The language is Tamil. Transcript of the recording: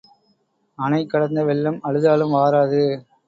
அணை கடந்த வெள்ளம் அழுதாலும் வாராது.